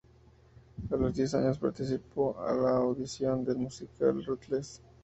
A los diez años participó en la audición del musical "Ruthless!